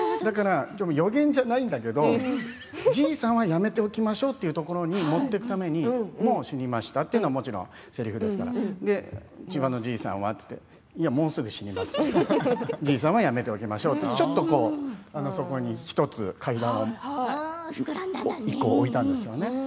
だから予言じゃないんだけどじいさんはやめておきましょうというところに持っていくためにもう死にました、というのはもちろんせりふですから千葉のじいさんは、って言ってもうすぐ死にます、とじいさんはやめておきましょうとちょっと、そこに１つ階段を置いたんですよね。